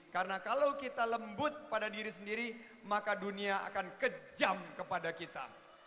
karena kalau kita lembut pada diri sendiri maka dunia akan kejam kepada kita